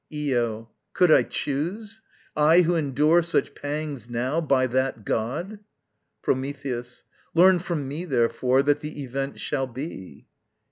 Io. Could I choose? I who endure such pangs now, by that god! Prometheus. Learn from me, therefore, that the event shall be.